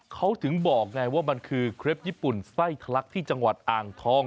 เขาถึงบอกไงว่ามันคือเครปญี่ปุ่นไส้ทะลักที่จังหวัดอ่างทอง